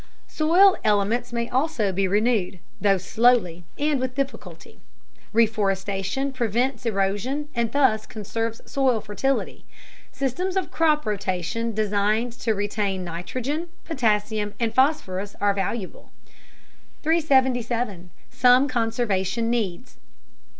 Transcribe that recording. Soil elements may also be renewed, though slowly and with difficulty. Reforestation prevents erosion and thus conserves soil fertility. Systems of crop rotation designed to retain nitrogen, potassium, and phosphorus are valuable. 377. SOME CONSERVATION NEEDS.